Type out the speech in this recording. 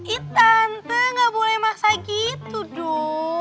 eh tante gak boleh maksa gitu dong